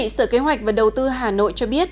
sở kế hoạch và đầu tư hà nội cho biết